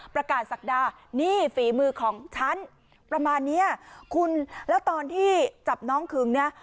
ประกาศศักดานี่ฝีมือของฉันประมาณเนี้ยคุณแล้วตอนที่จับน้องขึงเนี่ย